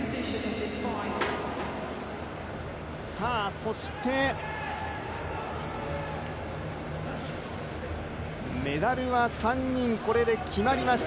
そしてメダルは３人これで決まりました。